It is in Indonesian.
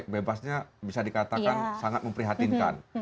bebasnya bisa dikatakan sangat memprihatinkan